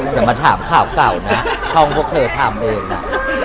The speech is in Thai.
แต่มาถามข่าวก่าวนะช่องพวกเคยทำเองล่ะ